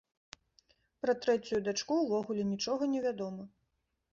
Пра трэцюю дачку ўвогуле нічога невядома.